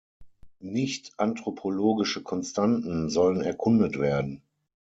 Nicht ‚anthropologische Konstanten‘ sollen erkundet werden.